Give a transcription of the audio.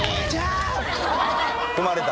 踏まれた？